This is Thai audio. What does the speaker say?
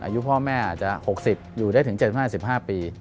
อายุพ่อแม่อาจจะ๖๐อยู่ได้ถึง๗๕๕ปี